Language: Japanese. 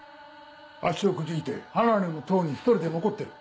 足をくじいて離れの塔に１人で残ってる。